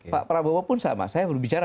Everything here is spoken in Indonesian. pak prabowo pun sama saya berbicara